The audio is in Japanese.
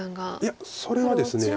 いやそれはですね。